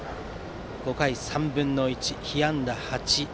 ５回３分の１、被安打８。